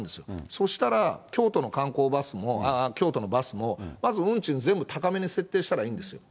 そうしたら、京都の観光バスも、京都のバスも、まず運賃高めに設定したらいいんですよ。